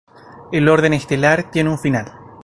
El Orden Estelar tiene un final.